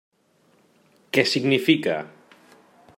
Què significa?